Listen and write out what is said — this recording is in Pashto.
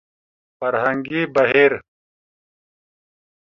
فرهنګي بهير